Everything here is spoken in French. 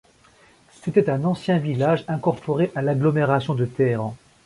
C'était un ancien village incorporé à l'agglomération de Téhéran.